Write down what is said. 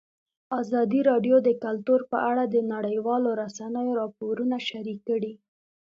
ازادي راډیو د کلتور په اړه د نړیوالو رسنیو راپورونه شریک کړي.